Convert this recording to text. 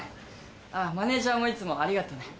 マネジャーもいつもありがとね。